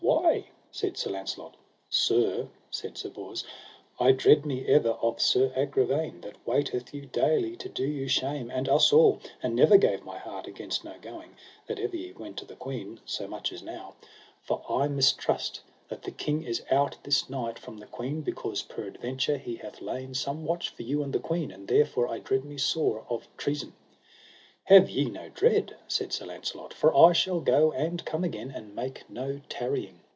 Why? said Sir Launcelot. Sir, said Sir Bors, I dread me ever of Sir Agravaine, that waiteth you daily to do you shame and us all; and never gave my heart against no going, that ever ye went to the queen, so much as now; for I mistrust that the king is out this night from the queen because peradventure he hath lain some watch for you and the queen, and therefore I dread me sore of treason. Have ye no dread, said Sir Launcelot, for I shall go and come again, and make no tarrying.